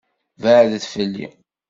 Beɛɛdet fell-i!